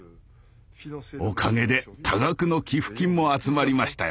おかげで多額の寄付金も集まりましたよ。